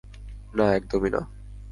না, একদমই না।